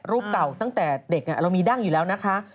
รูปเก่าตั้งแต่เด็กเรามีดั้งอยู่แล้วนะคะ